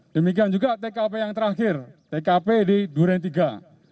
demikian juga tkp yang terakhir tkp di durantiga